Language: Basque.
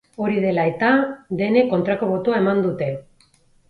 Hori dela eta, denek kontrako botoa eman dute.